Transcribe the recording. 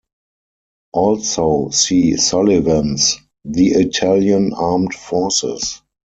Also see Sullivan's "The Italian Armed Forces".